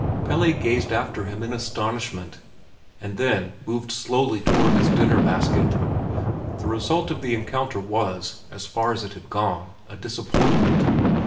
Pelle gazed after him in astonishment, and then moved slowly toward his dinner basket. The result of the encounter was, as far as it had gone, a disappointment.